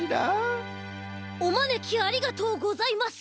おまねきありがとうございます